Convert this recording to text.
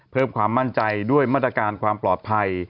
เพิ่มความมั่นใจด้วยมาตรการความปลอดภัย